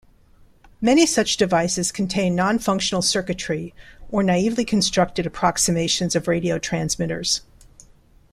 Many such devices contain non-functional circuitry or naively constructed approximations of radio transmitters.